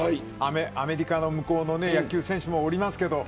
アメリカに野球選手もおりますけど。